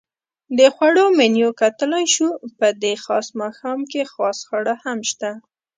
د خوړو منیو کتلای شو؟ په دې خاص ماښام کې خاص خواړه هم شته.